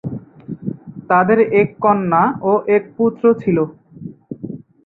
তাদের এক কন্যা ও এক পুত্র ছিল।